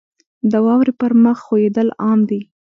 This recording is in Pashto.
• د واورې پر مخ ښویېدل عام دي.